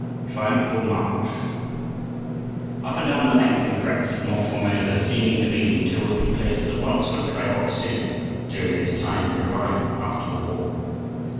TRIUMPHAL MARCH Up and down the length and breadth of north Formosa, seeming to be in two or three places at once, went Kai Bok su, during this time of reviving after the war.